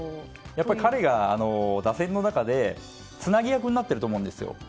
彼が打線の中でつなぎ役になっていると思うんですよ。